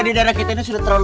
terimakasih hips sect